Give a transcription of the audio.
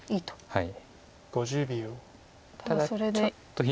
はい。